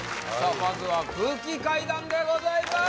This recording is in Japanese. まずは空気階段でございます